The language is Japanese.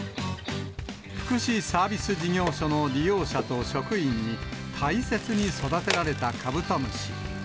福祉サービス事業所の利用者と職員に大切に育てられたカブトムシ。